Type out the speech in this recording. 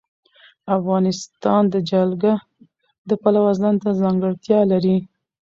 افغانستان د جلګه د پلوه ځانته ځانګړتیا لري.